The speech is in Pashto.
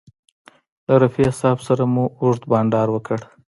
له رفیع صاحب سره مو اوږد بنډار وکړ.